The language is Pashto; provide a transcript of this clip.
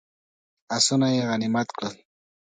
آسونه یې غنیمت کړل.